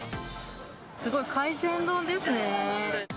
すごい、海鮮丼ですね。